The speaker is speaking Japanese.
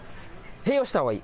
併用したほうがいい。